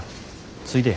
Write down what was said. ついでや。